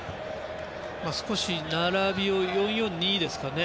少し並びを４−４−２ですかね。